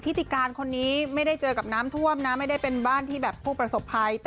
ติการคนนี้ไม่ได้เจอกับน้ำท่วมนะไม่ได้เป็นบ้านที่แบบผู้ประสบภัย